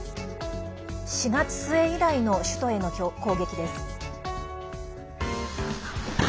４月末以来の首都への攻撃です。